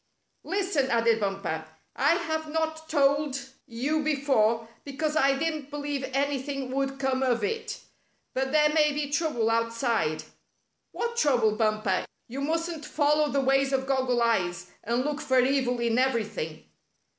"Listen!" added Bumper. "I have not told you before because I didn't believe anything would come of it. But there may be trouble out side." "What trouble. Bumper? You mustn't fol low the ways of Goggle Eyes, and look for evil in everything."